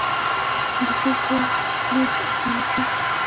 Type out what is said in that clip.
د توکو لیږد اسانه شو.